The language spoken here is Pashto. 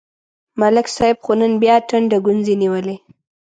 ملک صاحب خو نن بیا ټنډه گونځې نیولې